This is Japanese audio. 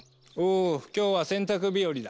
お今日は洗濯日和だ。